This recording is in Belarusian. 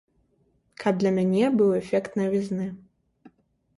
Каб для мяне быў эфект навізны.